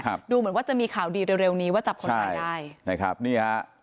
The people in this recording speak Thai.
ดูเหมือนว่าจะมีข่าวดีเร็วเร็วนี้ว่าจับคนร้ายได้นะครับนี่ฮะ